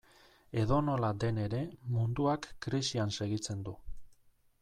Edonola den ere, munduak krisian segitzen du.